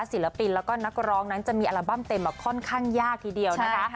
ศิลปินแล้วก็นักร้องนั้นจะมีอัลบั้มเต็มมาค่อนข้างยากทีเดียวนะคะ